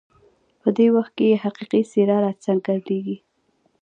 په دې وخت کې یې حقیقي څېره راڅرګندېږي.